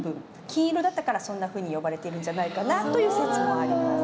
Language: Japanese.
金色だったからそんなふうに呼ばれているんじゃないかなという説もあります。